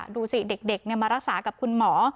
ดูสิเด็กมารักษากับคุณหมอ